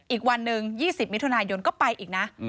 อีกวันหนึ่ง๒๐มิถุนายนก็ไปอีกนะ